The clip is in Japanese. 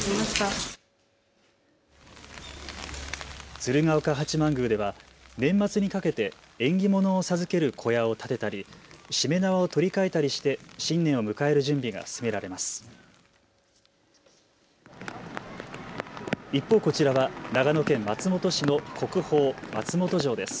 鶴岡八幡宮では年末にかけて縁起物を授ける小屋を建てたりしめ縄を取り替えたりして新年を迎える準備が進められます。